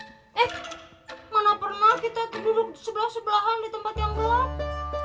eh mana pernah kita tuh duduk sebelah sebelahan di tempat yang gelap